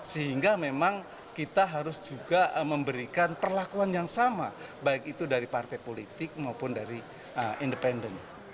sehingga memang kita harus juga memberikan perlakuan yang sama baik itu dari partai politik maupun dari independen